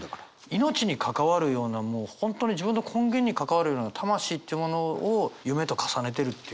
命に関わるようなもう本当に自分の根源に関わるような魂っていうものを夢と重ねてるっていう。